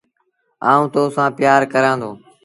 آئوٚݩ تو سآݩ پيآر ڪرآݩ دو۔